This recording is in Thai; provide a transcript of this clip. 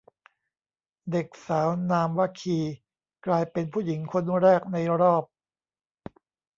เด็กสาวนามว่า คี กลายเป็นผู้หญิงคนแรกในรอบ